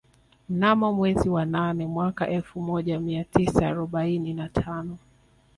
Mnamo mwezi wa nane mwaka elfu moja mia tisa arobaini na tano